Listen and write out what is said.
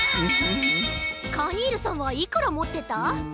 カニールさんはいくらもってた？